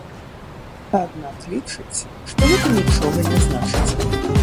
Аднак лічыць, што гэта нічога не значыць.